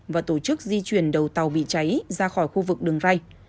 và tổ chức di chuyển đầu tàu bị cháy ra khỏi khu vực đường ray